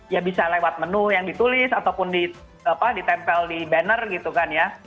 ya bisa lewat menu yang ditulis ataupun ditempel di banner gitu kan ya